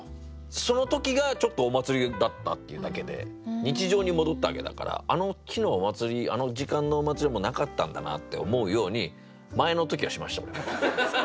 その時がちょっとお祭りだったっていうだけで日常に戻ったわけだからあの日のお祭りあの時間のお祭りはもうなかったんだなって思うように前の時はしました俺は。